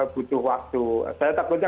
butuh waktu saya takutnya